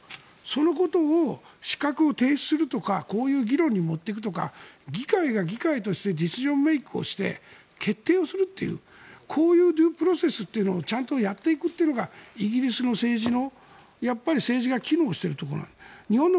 そのことを、資格を停止するとかこういう議論に持っていくとか議会が議会としてディシジョンメイク決定をするというこのデュー・プロセスをちゃんとやっていくのがイギリスの政治の政治が機能しているところ。